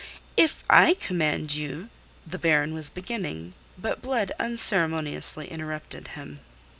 "If I command you..." the Baron was beginning. But Blood unceremoniously interrupted him.